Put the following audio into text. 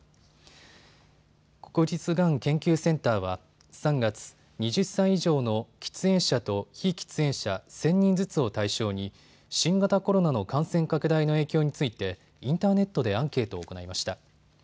国立がん研究センターは３月、２０歳以上の喫煙者と非喫煙者１０００人ずつを対象に新型コロナの感染拡大の影響についてインターネットでアンケートを行いました。